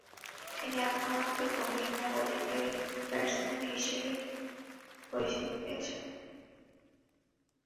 তিনি আক্রমণাত্মক ভঙ্গীমার অধিকারী ব্যাটসম্যান হিসেবে পরিচিতি পেয়েছেন।